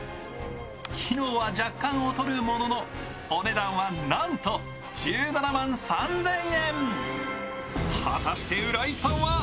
機能は若干劣るものの、お値段はなんと１７万３０００円。